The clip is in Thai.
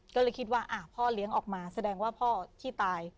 ก็เลยคิดว่าพ่อเลี้ยงออกมาแสดงว่าพ่อที่ตาย